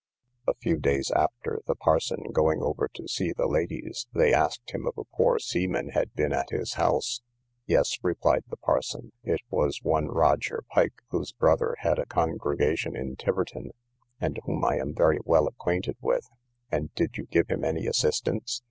A few days after, the parson going over to see the ladies, they asked him if a poor seaman had been at his house. Yes, replied the parson, it was one Roger Pike, whose brother had a congregation in Tiverton, and whom I am very well acquainted with. And did you give him any assistance?